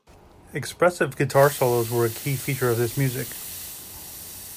Expressive guitar solos were a key feature of this music.